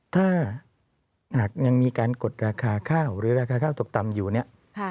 ถ้าหากยังมีการกดราคาข้าวหรือราคาข้าวตกต่ำอยู่เนี่ย